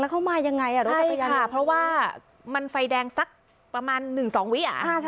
แล้วเข้ามายังไงอ่ะใช่ค่ะเพราะว่ามันไฟแดงสักประมาณหนึ่งสองวิอาท